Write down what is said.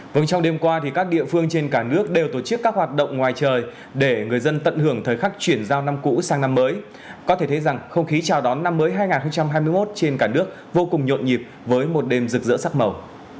vâng trong đêm qua thì các địa phương trên cả nước đều tổ chức các hoạt động ngoài trời để người dân tận hưởng thời khắc chuyển giao năm cũ sang năm mới có thể thấy rằng không khí chào đón năm mới hai nghìn hai mươi một trên cả nước vô cùng nhộn nhịp với một đêm rực rỡ sắc màu